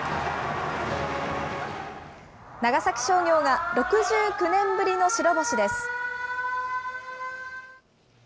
長崎商業が６９年ぶりの白星です。